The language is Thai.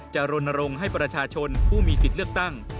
รณรงค์ให้ประชาชนผู้มีสิทธิ์เลือกตั้ง